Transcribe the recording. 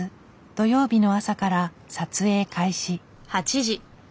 土曜日の朝から撮影開始。